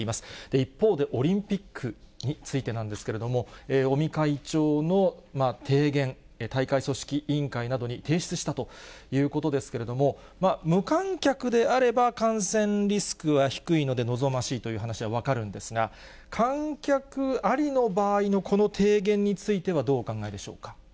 一方で、オリンピックについてなんですけれども、尾身会長の提言、大会組織委員会などに提出したということですけれども、無観客であれば感染リスクは低いので望ましいという話は分かるんですが、観客ありの場合のこの提言については、どうお考えでしょうか。